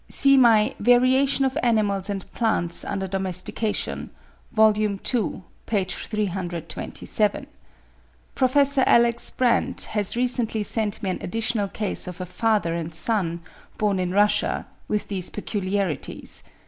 See my 'Variation of Animals and Plants under Domestication,' vol. ii. p. 327. Prof. Alex. Brandt has recently sent me an additional case of a father and son, born in Russia, with these peculiarities.